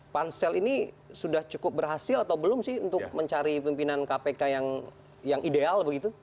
pansel ini sudah cukup berhasil atau belum sih untuk mencari pimpinan kpk yang ideal begitu